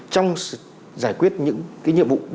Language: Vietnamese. trong giải quyết những nhiệm vụ